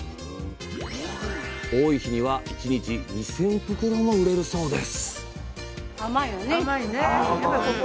多い日には１日２０００袋も売れるそうです！